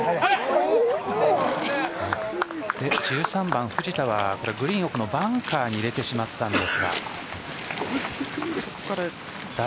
１３番藤田はグリーン奥のバンカーに入れてしまったんですが。